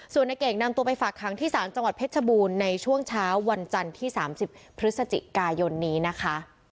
ส่วนในเก่งนำตัวไปฝากค้างที่ศาลจังหวัดเพชรบูรณ์ในช่วงเช้าวันจันทร์ที่๓๐พฤศจิกายนนี้นะคะ